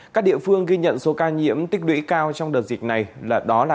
các địa phương ghi nhận số ca nhiễm tích lũy cao trong đợt dịch này là đó là